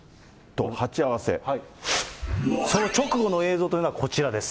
その直後の映像というのがこちらです。